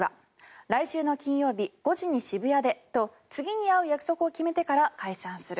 来週の金曜日５時に渋谷でと次に会う約束を決めてから解散する。